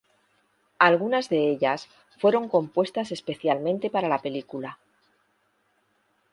Algunas de ellas fueron compuestas especialmente para la película.